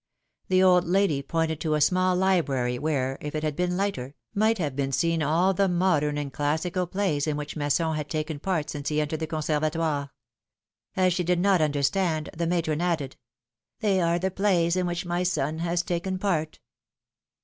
The old lady pointed to a small library, where, if it had been 274 philom^^ne's makriages. lighter, might have been seen all the modern and classical plays in which Masson had taken a part since he entered the Conservatoire. As she did not understand, the matron added : They are the plays in which my son has taken part.